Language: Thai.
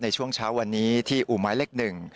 ในช่วงเช้าวันนี้ที่อู่ไม้เล็ก๑